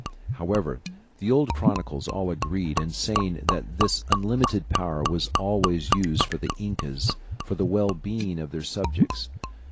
However, the old chroniclers all agree in saying that this unlimited power was always used by the incas for the well being of their subjects.